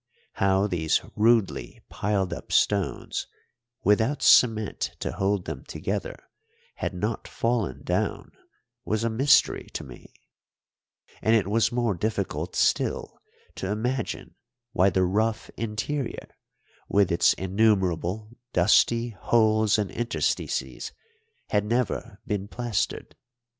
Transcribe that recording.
How these rudely piled up stones, without cement to hold them together, had not fallen down was a mystery to me; and it was more difficult still to imagine why the rough interior, with its innumerable dusty holes and interstices, had never been plastered.